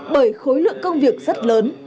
bởi khối lượng công việc rất lớn